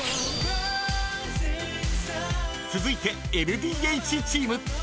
［続いてＬＤＨチーム。